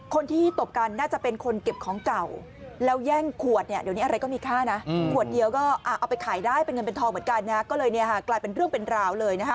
คนที่ตบกันน่าจะเป็นคนเก็บของเก่าแล้วแย่งขวดเนี่ยเดี๋ยวนี้อะไรก็มีค่านะขวดเดียวก็เอาไปขายได้เป็นเงินเป็นทองเหมือนกันนะก็เลยกลายเป็นเรื่องเป็นราวเลยนะคะ